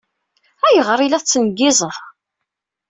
Ayɣer ay la tettneggizeḍ?